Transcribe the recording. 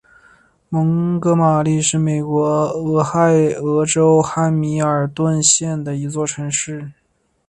蒙哥马利是美国俄亥俄州汉密尔顿县的一座城市。